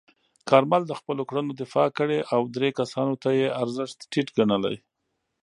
کارمل د خپلو کړنو دفاع کړې او درې کسانو ته یې ارزښت ټیټ ګڼلی.